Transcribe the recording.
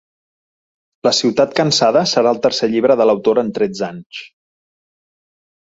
La ciutat cansada serà el tercer llibre de l’autora en tretze anys.